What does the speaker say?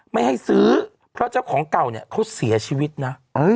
ไม่ให้ซื้อเพราะเจ้าของเก่าเนี่ยเขาเสียชีวิตนะ